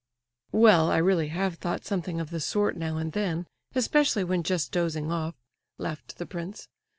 "Well, I really have thought something of the sort now and then, especially when just dozing off," laughed the prince.